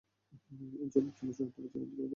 এ জবাব ছিল চূড়ান্ত পর্যায়ের আন্তরিকতার পরিচায়ক।